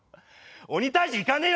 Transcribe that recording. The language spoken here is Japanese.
鬼退治行かねえよ